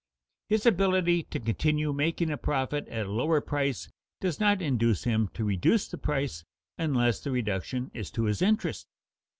His ability to continue making a profit at a lower price does not induce him to reduce the price unless the reduction is to his interest.